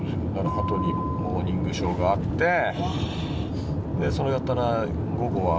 羽鳥の『モーニングショー』があってそれやったら午後はＴＢＳ。